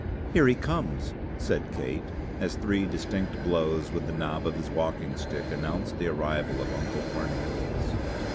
"Here he comes!" said Kate, as three distinct blows with the knob of his walking stick announced the arrival of Uncle Cornelius.